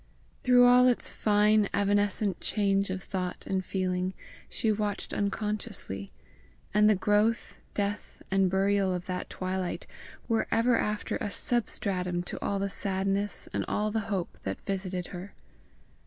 Through all its fine evanescent change of thought and feeling she watched unconsciously; and the growth, death, and burial of that twilight were ever after a substratum to all the sadness and all the hope that visited her.